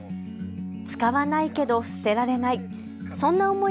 使わないけど捨てられない。